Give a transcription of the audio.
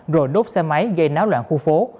rồi đốt xe máy gây náo loạn khu phố